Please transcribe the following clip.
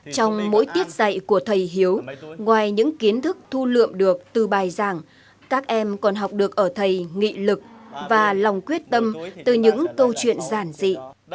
trong mỗi tiết dạy của thầy hiếu ngoài những kiến thức thu lượm được từ bài giảng các em còn học được ở thầy nghị lực và lòng quyết tâm từ những câu chuyện giản dị